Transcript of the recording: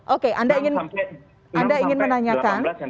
oke anda ingin menanyakan